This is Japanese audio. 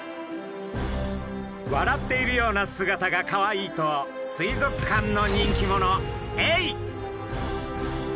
笑っているような姿がかわいいと水族館の人気者エイ。